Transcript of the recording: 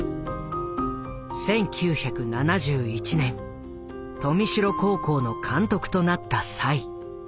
１９７１年豊見城高校の監督となった栽。